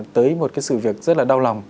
tới một sự việc rất là đau lòng